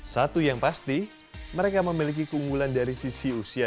satu yang pasti mereka memiliki keunggulan dari sisi usia